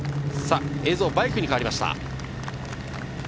映像、バイクに変わりました。